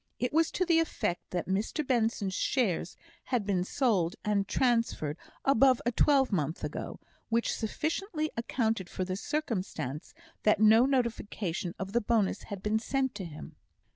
It was to the effect that Mr Benson's shares had been sold and transferred above a twelvemonth ago, which sufficiently accounted for the circumstance that no notification of the bonus had been sent to him.